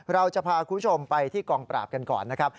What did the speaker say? เราจะพาคุณผู้ชมไปที่กองปราบกันก่อนนะครับ